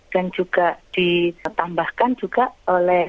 dan juga ditambahkan juga oleh